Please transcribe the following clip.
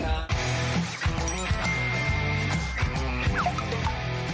สวัสดีค่ะ